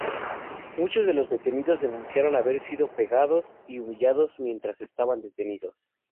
Muchos de los detenidos denunciaron haber sido pegados y humillados mientras estaban detenidos.